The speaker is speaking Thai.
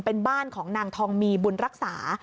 เป็นบ้านของนางทองมีบุญรักษา